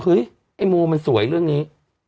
เฮ้ยไอ้โมมันสวยเรื่องนี้